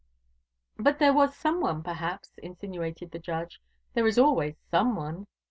"But there was some one, perhaps," insinuated the judge, "there is always some one.